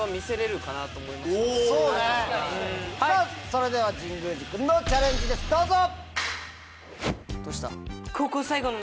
それでは神宮寺君のチャレンジですどうぞ！